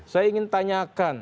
saya ingin tanyakan